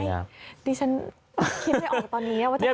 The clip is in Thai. นี่ดิฉันคิดไม่ออกตอนนี้ว่าจะทำ